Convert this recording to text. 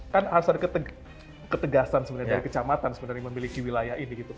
kan asal ketegasan dari kecamatan sebenarnya memiliki wilayah ini